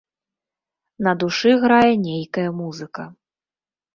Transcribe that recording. На душы грае нейкая музыка.